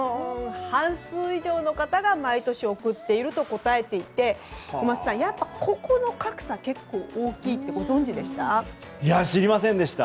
半数以上の方が毎年贈っていると答えていて小松さん、やっぱりここの格差結構大きいといや、知りませんでした。